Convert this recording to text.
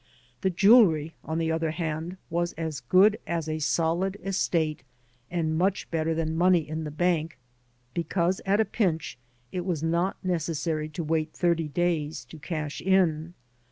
The jewelry, on the other hand, was as good as a solid estate and much better than money in the bank, because at a pinch it was not necessary to wait thirty days to cash in.